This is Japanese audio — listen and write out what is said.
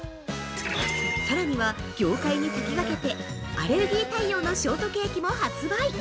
さらには、業界に先駆けてアレルギー対応のショートケーキも発売。